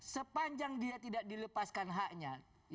sepanjang dia tidak dilepaskan haknya